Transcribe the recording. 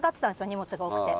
荷物が多くて。